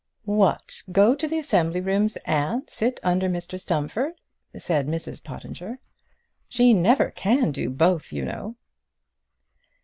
"What! go to the assembly rooms, and sit under Mr Stumfold!" said Mrs Pottinger. "She never can do both, you know."